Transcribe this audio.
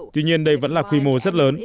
tuy nhiên đây vẫn là quy mô rất lớn